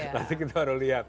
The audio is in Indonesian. nanti kita harus lihat